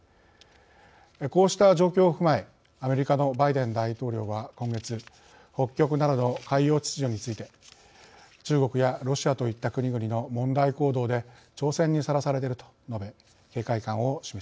こうした状況を踏まえアメリカのバイデン大統領は今月北極などの海洋秩序について中国やロシアといった国々の問題行動で挑戦にさらされていると述べ警戒感を示しました。